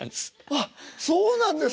ああそうなんですか。